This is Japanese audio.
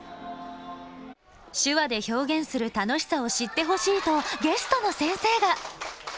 手話で表現する楽しさを知ってほしいと、ゲストの先生が。